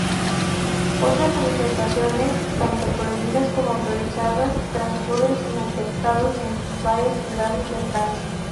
Otras manifestaciones, tanto prohibidas como autorizadas, transcurren sin altercados en varias ciudades de Francia.